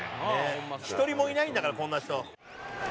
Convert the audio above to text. １人もいないんだからこんな人。